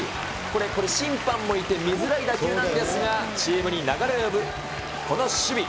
これ、審判もいて、見づらい打球なんですが、チームに流れを呼ぶこの守備。